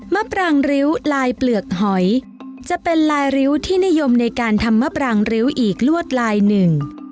มะปรางริ้วลายเปลือกหอยจะเป็นลายริ้วที่นิยมในการทำมะปรางริ้วอีกลวดลายหนึ่ง